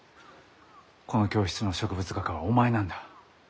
この教室の植物画家はお前なんだ。